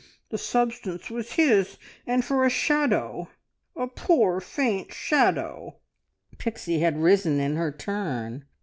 ... The substance was his, and for a shadow a poor, faint shadow " Pixie had risen in her turn.